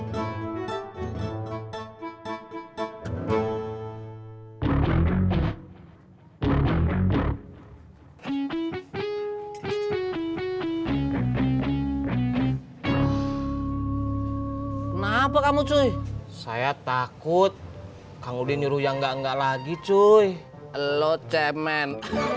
kenapa kamu cuy saya takut kamu diniru yang enggak enggak lagi cuy elo cemen